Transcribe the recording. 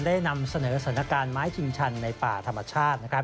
ได้นำเสนอสถานการณ์ไม้ชิงชันในป่าธรรมชาติ